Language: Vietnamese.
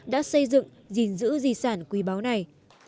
đã xây dựng gìn giữ di sản quý báu này